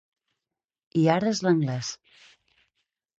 I ara és l’anglès!